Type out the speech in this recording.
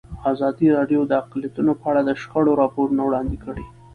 ازادي راډیو د اقلیتونه په اړه د شخړو راپورونه وړاندې کړي.